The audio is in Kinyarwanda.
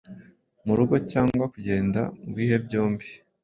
Murugo cyangwa kugenda mubihe byombi